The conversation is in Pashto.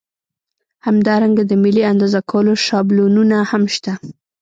همدارنګه د ملي اندازه کولو شابلونونه هم شته.